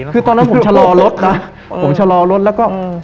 คือตอนนั้นผมชะลอรถนะผมชะลอรถแล้วก็